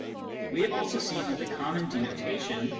We have seen also that the common denotation.